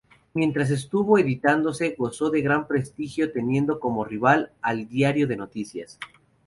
Mientras estuvo editándose gozó de gran prestigio teniendo como rival al "Diário de Notícias".